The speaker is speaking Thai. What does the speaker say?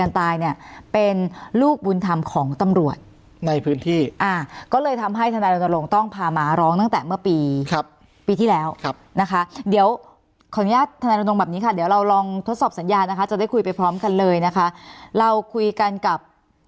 ต้องถึงตั้งแต่เมื่อปีครับปีที่แล้วครับนะคะเดี๋ยวขออนุญาตทนโลกใบบนี้ค่ะเดี๋ยวเราลองทดสอบสัญญานะคะจะได้คุยไปพร้อมกันเลยนะคะเราคุยกันกับ